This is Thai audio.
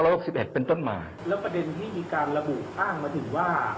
แล้วประเด็นที่มีการระบุอ้างมาถึงว่า